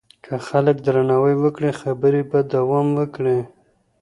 که خلک درناوی وکړي خبرې به دوام وکړي.